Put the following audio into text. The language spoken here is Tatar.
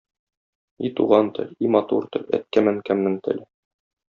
И туган тел, и матур тел, әткәм-әнкәмнең теле!